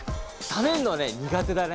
ためるのはね苦手だね。